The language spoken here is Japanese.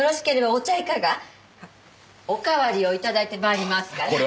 おかわりをいただいてまいりますから。